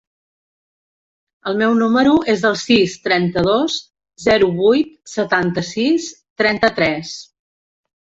El meu número es el sis, trenta-dos, zero, vuit, setanta-sis, trenta-tres.